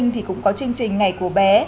thì cũng có chương trình ngày của bé